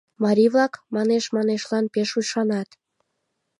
Марий-влак манеш-манешлан пеш ӱшанат.